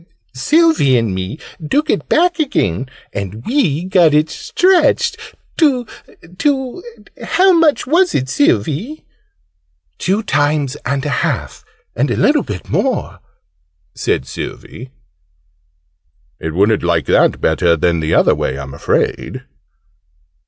Sylvie and me took it back again and we got it stretched to to how much was it, Sylvie?" "Two times and a half, and a little bit more," said Sylvie. "It wouldn't like that better than the other way, I'm afraid?"